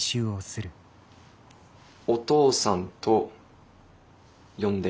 お父さんと呼んで。